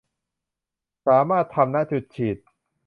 สามารถทำ ณ จุดฉีด